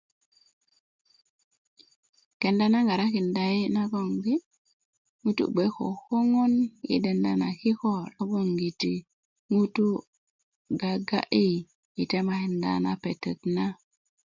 kenda na ŋarakinda yi nagon di ŋutu bge ko köŋö i denda na kikö logongiti ŋutu' gaaga'yi kita i temakinda na pete na